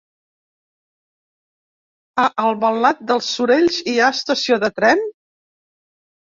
A Albalat dels Sorells hi ha estació de tren?